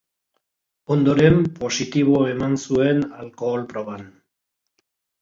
Ondoren, positibo eman zuen alkohol-proban.